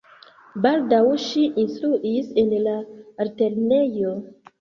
Baldaŭ ŝi instruis en la altlernejo.